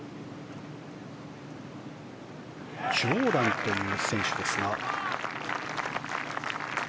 ジョーダンという選手ですが。